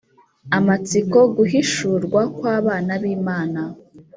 Amatsiko guhishurwa kw abana b imana